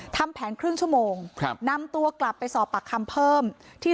ทำแผนครึ่งชั่วโมงครับนำตัวกลับไปสอบปากคำเพิ่มที่